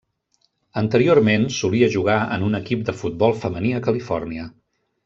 Anteriorment solia jugar en un equip de futbol femení a Califòrnia.